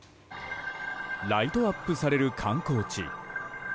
ライトアップされる観光地。